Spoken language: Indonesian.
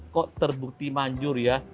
kok terbukti manjur ya